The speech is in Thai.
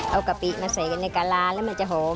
เอากะปิมาใส่กันในกะลาแล้วมันจะหอม